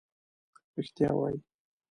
رښتیا وایې.